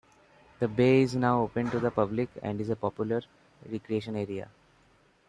The bay is now open to the public and is a popular recreation area.